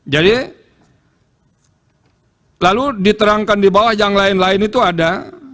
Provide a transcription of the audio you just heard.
jadi lalu diterangkan di bawah yang lain lain itu ada